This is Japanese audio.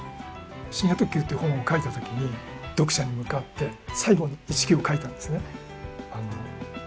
「深夜特急」っていう本を書いた時に読者に向かって最後に１行書いたんですね。